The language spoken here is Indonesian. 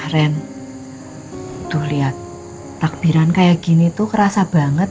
tuh lihat takbiran kayak gini tuh kerasa banget